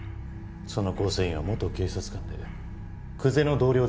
その構成員は元警察官で久瀬の同僚だったとか。